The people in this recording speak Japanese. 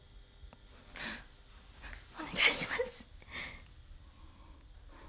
お願いします